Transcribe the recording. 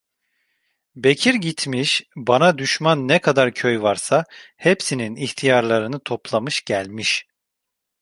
Bekir gitmiş, bana düşman ne kadar köy varsa hepsinin ihtiyarlarını toplamış gelmiş.